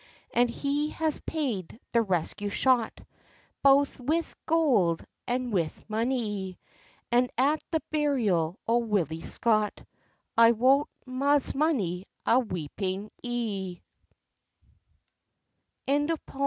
And he has paid the rescue shot, Baith wi' goud, and white monie; And at the burial o' Willie Scott, I wot was mony a weeping e'e.